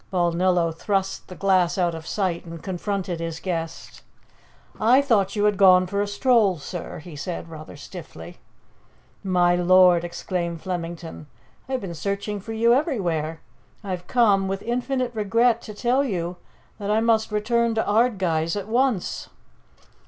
Balnillo thrust the glass out of sight and confronted his guest. "I thought you had gone for a stroll, sir," he said rather stiffly. "My lord," exclaimed Flemington, "I have been searching for you everywhere. I've come, with infinite regret, to tell you that I must return to Ardguys at once."